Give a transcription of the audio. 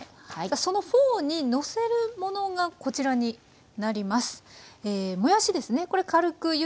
そのフォーにのせるものがこちらになります。